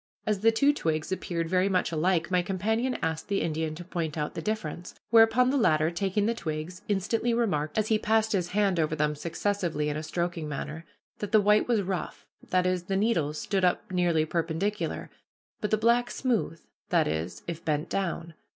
As the two twigs appeared very much alike, my companion asked the Indian to point out the difference; whereupon the latter, taking the twigs, instantly remarked, as he passed his hand over them successively in a stroking manner, that the white was rough, that is, the needles stood up nearly perpendicular, but the black smooth, that is, as if bent down.